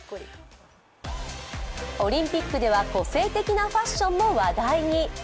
オリンピックでは個性的なファッションも話題に。